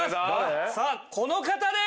さあこの方です。